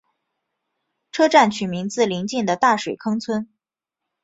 车站取名自邻近的大水坑村。